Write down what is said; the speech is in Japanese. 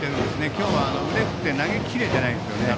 今日は腕を振って投げ切れてないです。